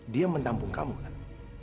dia menampung kamu kan